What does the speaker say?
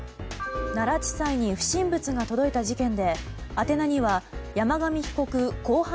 奈良地裁に不審物が届いた事件で宛名には山上被告公判